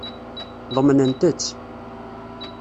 Ḍemnent-tt.